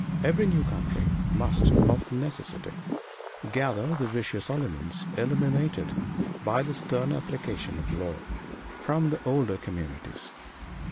Every new country must, of necessity, gather the vicious elements eliminated by the stern application of law, from the older communities.